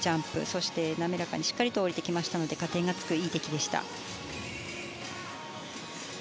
そして、滑らかにしっかりと降りてきましたので加点がつく、いい出来でした。